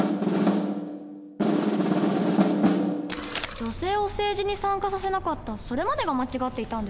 女性を政治に参加させなかったそれまでが間違っていたんでしょ？